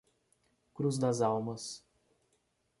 Cruz Das Almas